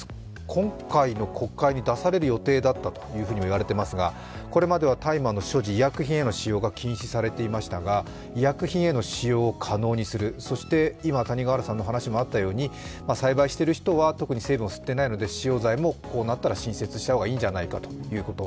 今回の国会に出される予定だったというふうにも言われていますがこれまでは大麻の所持、医薬品への使用が禁止されていましたが医薬品への使用を可能にするそして栽培している人は特に成分を吸っていないので使用罪も、こうなったら新設した方がいいんじゃないかということ。